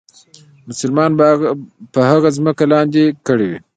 مسلمانان به هغه ځمکې لاندې کړي.